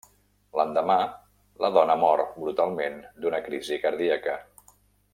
L'endemà, la dona mor brutalment d'una crisi cardíaca.